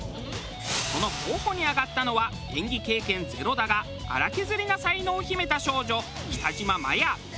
その候補に挙がったのは演技経験ゼロだが粗削りな才能を秘めた少女北島マヤ。